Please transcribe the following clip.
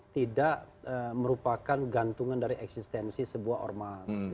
tidak merupakan gantungan dari eksistensi sebuah ormas